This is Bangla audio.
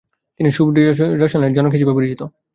তিনি সুয়েডীয় রসায়ন এর জনক হিসেবে পরিচিত।